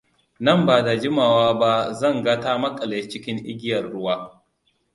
Nan ba da jimawa ba zan ga ta maƙale cikin igiyar ruwa.